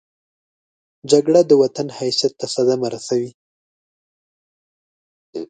جګړه د وطن حیثیت ته صدمه رسوي